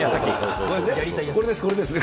これですね、これですね。